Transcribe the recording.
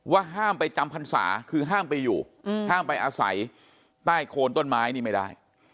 ห้ามไปจำพรรษาคือห้ามไปอยู่ห้ามไปอาศัยใต้โคนต้นไม้นี่ไม่ได้